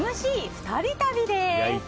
２人旅です。